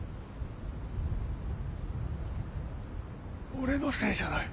俺のせいじゃない。